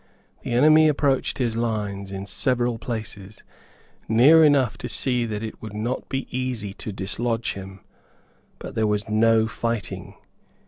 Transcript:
The enemy approached his lines in several places, near enough to see that it would not be easy to dislodge him; but there was no fighting.